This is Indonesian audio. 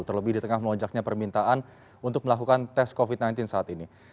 terlebih di tengah melonjaknya permintaan untuk melakukan tes covid sembilan belas saat ini